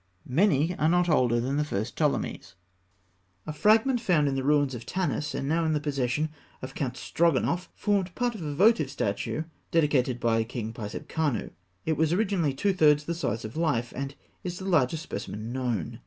Many are not older than the first Ptolemies. A fragment found in the ruins of Tanis and now in the possession of Count Stroganoff, formed part of a votive statue dedicated by King Pisebkhanû. It was originally two thirds the size of life, and is the largest specimen known.